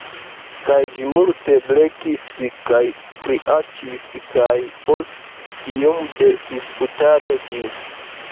Kaj ĝi multe blekis kaj kriaĉis kaj… post iom de disputado ĝi…